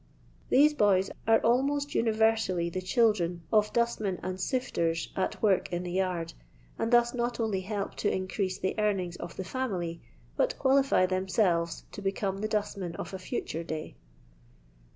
These boys are almost universflily the children of dustmen and* sifters at work in tht yard, and thus not only help to increase the earnings of the fiunily, but qualify themselves to become the dustmen of • future day.